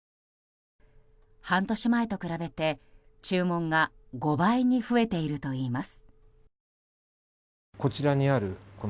半年前と比べて注文が５倍に増えているといいます。